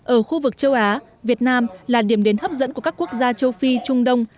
ở khu vực châu á việt nam là điểm đến hấp dẫn của các quốc gia châu phi trung đông